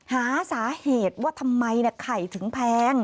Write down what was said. หาสาเหตุว่าทำไมไข่ถึงแพง